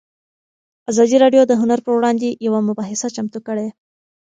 ازادي راډیو د هنر پر وړاندې یوه مباحثه چمتو کړې.